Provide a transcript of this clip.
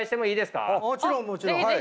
もちろんもちろん！